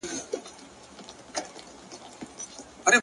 o په څو ځلي مي خپل د زړه سرې اوښکي دي توی کړي،